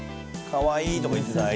「かわいい」とか